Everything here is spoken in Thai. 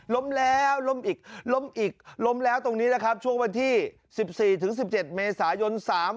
ล้มแล้วล้มอีกล้มอีกล้มแล้วตรงนี้นะครับช่วงวันที่สิบสี่ถึงสิบเจ็ดเมษายนสาม